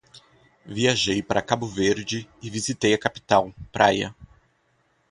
Viajei para Cabo Verde e visitei a capital, Praia.